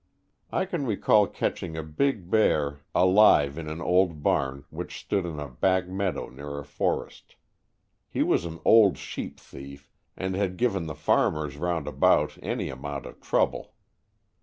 I can recall catching a big bear alive 121 Stories from the Adirondack^. in an old barn which stood in a back meadow near a forest. He was an old sheep thief and had given the farmers round about any amount of trouble.